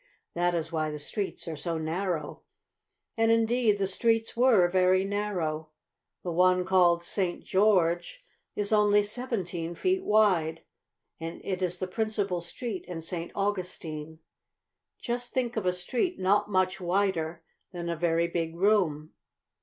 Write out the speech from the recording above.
That is why the streets are so narrow." And indeed the streets were very narrow. The one called St. George is only seventeen feet wide, and it is the principal street in St. Augustine. Just think of a street not much wider than a very big room.